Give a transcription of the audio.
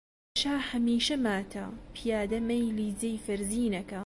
شا هەمیشە ماتە، پیادە مەیلی جێی فەرزین ئەکا